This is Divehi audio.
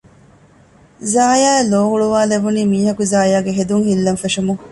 ޒާޔާއަށް ލޯހުޅުވާލެވުނީ މީހަކު ޒާޔާގެ ހެދުން ހިއްލަން ފެށުމުން